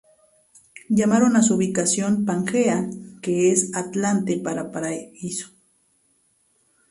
Llamaron a su ubicación "Pangea", que es atlante para "paraíso".